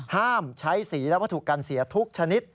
ห้ามใช้สีและวัตถุกันเสียทุกชนิด